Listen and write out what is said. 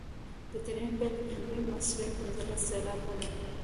د دریم بیت لومړۍ مصرع پنځلس سېلابه ده.